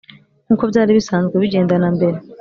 nkuko byari bisanzwe bigenda na mbere,